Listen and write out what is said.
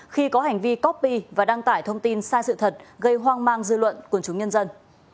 khi có hành vi copy và đăng tải thông tin sai sự thật gây hoang mang dư luận quần chúng nhân dân